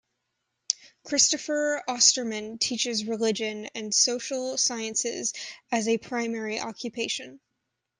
Kristoffer Osterman teaches religion and social sciences as a primary occupation.